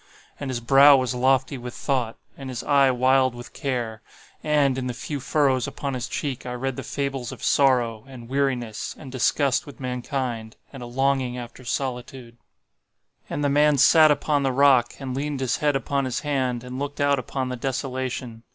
And his brow was lofty with thought, and his eye wild with care; and, in the few furrows upon his cheek I read the fables of sorrow, and weariness, and disgust with mankind, and a longing after solitude. "And the man sat upon the rock, and leaned his head upon his hand, and looked out upon the desolation.